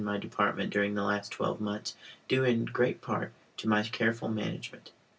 my department during the last twelve months, due in great part to my careful management.